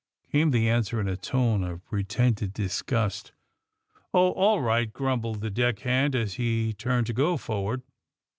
'' came the an swer, in a tone of pretended disgust. *'0h, all right !'^ grumbled the deck hand, as he turned to go forward.